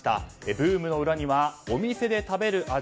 ブームの裏にはお店で食べる味。